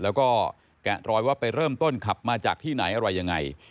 แล้วก็แกะรอยว่าไปเริ่มต้นขับมาจากที่ไหนอะไรยังไง